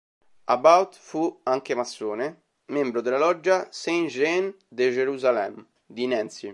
About fu anche massone, membro della Loggia "Saint-Jean de Jérusalem" di Nancy.